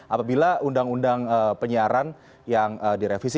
apabila undang undang penyiaran yang direvisi